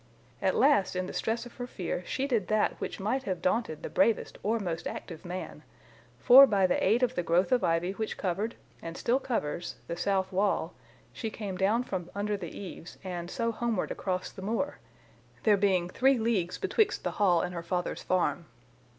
At last in the stress of her fear she did that which might have daunted the bravest or most active man, for by the aid of the growth of ivy which covered (and still covers) the south wall she came down from under the eaves, and so homeward across the moor, there being three leagues betwixt the Hall and her father's farm.